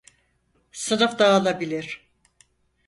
Sınıf dağılabilir.